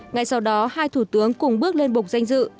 ngay sau đó hai thủ tướng cùng bước lên bục danh dự